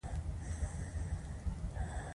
که څه هم شواب پخپله نه پوهېده.